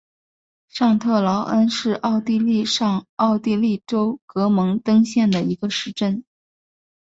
上特劳恩是奥地利上奥地利州格蒙登县的一个市镇。